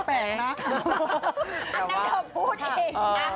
อันนั้นเธอพูดเองนะ